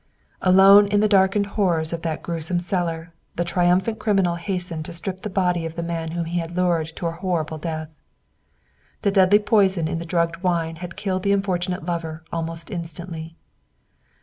Alone, in the darkened horrors of that grewsome cellar, the triumphant criminal hastened to strip the body of the man whom he had lured to a horrible death. The deadly poison in the drugged wine had killed the unfortunate lover almost instantly.